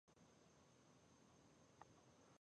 د بغلان خربوزې هم ډیرې خوږې دي.